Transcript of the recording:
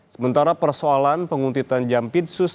sementara persoalan penguntitan jampitsus